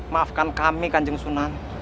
maafkan kami kanjeng sunan